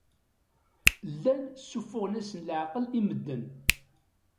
Llan ssuffuɣen-asen leɛqel i medden.